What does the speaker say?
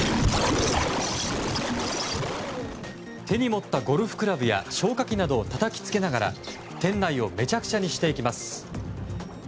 手に持ったゴルフクラブや消火器などをたたきつけながら店内をめちゃくちゃにしていきます。